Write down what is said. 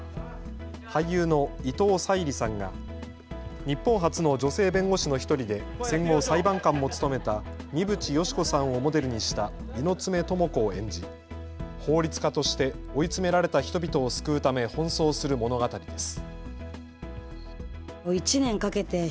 俳優の伊藤沙莉さんが日本初の女性弁護士の１人で戦後、裁判官も務めた三淵嘉子さんをモデルにした猪爪寅子を演じ、法律家として追い詰められた人々を救うため奔走する物語です。